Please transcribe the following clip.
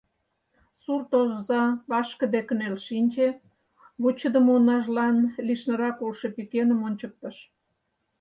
Сурт оза вашкыде кынел шинче, вучыдымо унажлан лишнырак улшо пӱкеным ончыктыш.